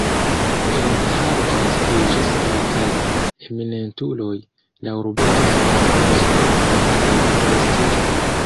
En Daharki naskiĝis kelkaj eminentuloj, la urbeto havas respekton kaj prestiĝon.